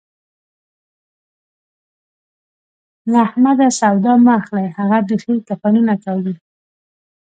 له احمده سودا مه اخلئ؛ هغه بېخي کفنونه کاږي.